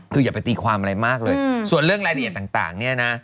คืออย่าไปตีความอะไรมากเลยส่วนเรื่องรายละเอียดต่างเนี่ยนะ